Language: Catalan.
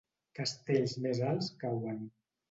Castells més alts cauen.